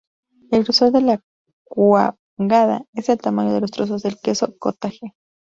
El grosor de la cuajada es el tamaño de los trozos del queso "cottage".